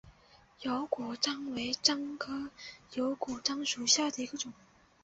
油果樟为樟科油果樟属下的一个种。